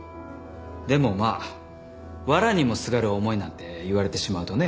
でもまあ藁にもすがる思いなんて言われてしまうとね